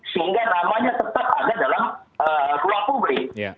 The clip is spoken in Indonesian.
sehingga namanya tetap ada dalam ruang publik